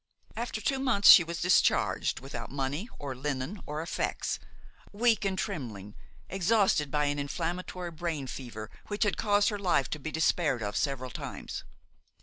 After two months she was discharged, without money or linen or effects, weak and trembling, exhausted by an inflammatory brain fever which had caused her life to be despaired of several times.